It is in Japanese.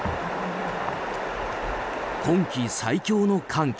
今季最強の寒気。